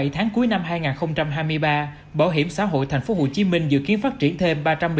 bảy tháng cuối năm hai nghìn hai mươi ba bảo hiểm xã hội tp hcm dự kiến phát triển thêm ba trăm một mươi tám